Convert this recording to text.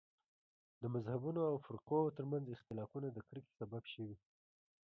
د مذهبونو او فرقو تر منځ اختلافونه د کرکې سبب شوي.